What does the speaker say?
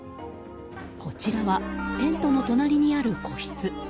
こちらは、テントの隣にある個室。